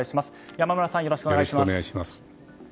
山村さん、よろしくお願いします。